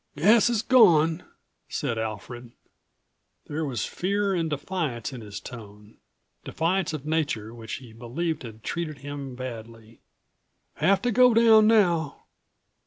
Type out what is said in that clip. "Gas is gone," said Alfred. There was fear and defiance in his tone, defiance of Nature which he believed had treated him badly "Have to go down now."